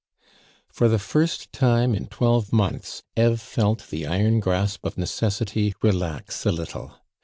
For the first time in twelve months, Eve felt the iron grasp of necessity relax a little.